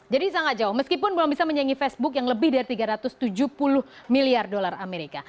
jadi sangat jauh meskipun belum bisa menyangki facebook yang lebih dari tiga ratus tujuh puluh miliar dolar amerika